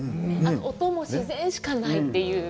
音も自然しかないという。